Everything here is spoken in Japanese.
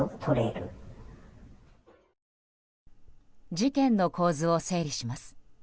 事件の構図を整理します。